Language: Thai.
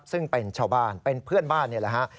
ซึ่งเป็นชาวบ้านเป็นเพื่อนบ้านนี่แหละฮะ